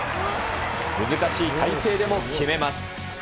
難しい体勢でも決めます。